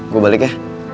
gue balik ya